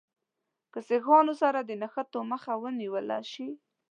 له سیکهانو سره د نښتو مخه ونیوله شي.